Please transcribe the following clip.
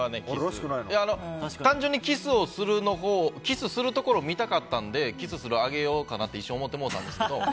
単純にキスするところを見たかったのでキスする上げようかなって一瞬、思ってもうたんですけど。